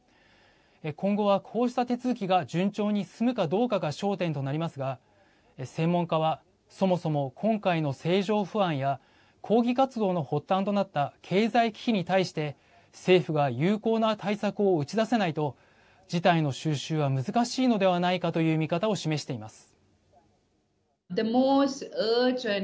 今後は、こうした手続きが順調に進むかどうかが焦点となりますが専門家はそもそも今回の政情不安や抗議活動の発端となった経済危機に対して政府が有効な対策を打ち出せないと事態の収拾は難しいのではないかという見方を示しています。